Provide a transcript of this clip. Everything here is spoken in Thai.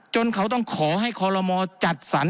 จนเขาต้องขอให้คลมจัดสรร